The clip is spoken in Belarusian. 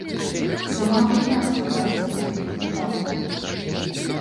Сама гульня складаецца з двух этапаў.